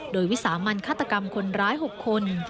โดยวิสามันฆาตกรรมคนร้าย๖คน